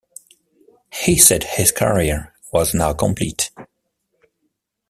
He said his career was now complete.